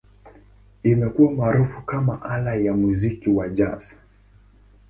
Imekuwa maarufu kama ala ya muziki wa Jazz.